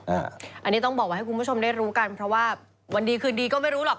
อันนี้ต้องบอกว่าให้คุณผู้ชมได้รู้กันเพราะว่าวันดีคืนดีก็ไม่รู้หรอก